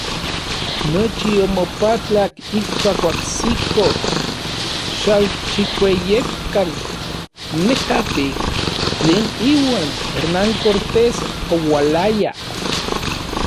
Nochi omopatlak ijkuak oajsikoj Xalxikueyekan nekatej tlen iuan Hernán Cortés oualayaj.